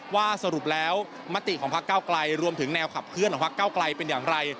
ว่าสรุปแล้วมติของพักเก้าไกลรวมถึงแนวขับเคลื่อนของพักเก้าไกลเป็นอย่างไร